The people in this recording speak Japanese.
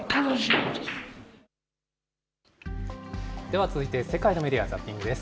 では続いて、世界のメディア